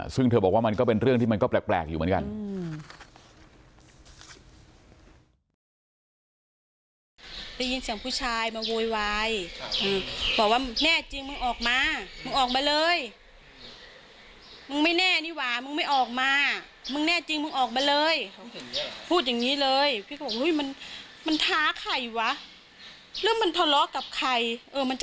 ซึ่งเธอบอกว่ามันก็เป็นเรื่องที่มันก็แปลกอยู่เหมือนกัน